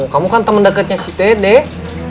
kamu kan temen deketnya si dedek